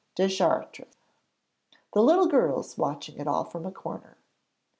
Deschartres, the little girls watching it all from a corner.